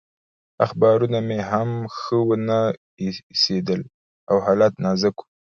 اخبارونه مې هم ښه ونه ایسېدل او حالت نازک و.